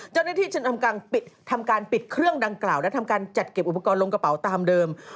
เจ้าหน้าที่จึงทำการปิดเครื่องดังกล่าวและทำการจัดเก็บอุปกรณ์ลงกระเป๋าตามเดิม